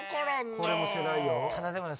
これも世代よ。